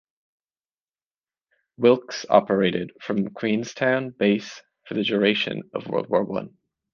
"Wilkes" operated from the Queenstown base for the duration of World War One.